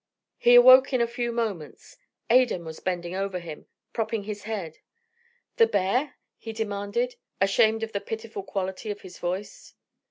He awoke in a few moments. Adan was bending over him, propping his head. "The bear?" he demanded, ashamed of the pitiful quality of his voice.